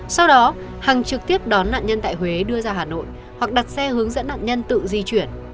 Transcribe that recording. sau đó hằng trực tiếp đón nạn nhân tại huế đưa ra hà nội hoặc đặt xe hướng dẫn nạn nhân tự di chuyển